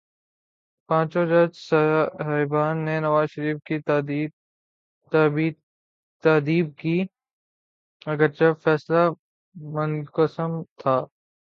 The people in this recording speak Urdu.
پانچوں جج صاحبان نے نواز شریف کی تادیب کی، اگرچہ فیصلہ منقسم تھا۔